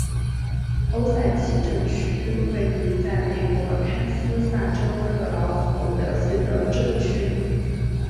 欧塞奇镇区为位在美国堪萨斯州克劳福德县的镇区。